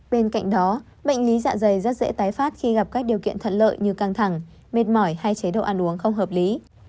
bên cạnh đó bệnh lý dạ dày rất dễ tái phát khi gặp các điều kiện thuận lợi như căng thẳng mệt mỏi hay chế độ ăn uống không hợp lý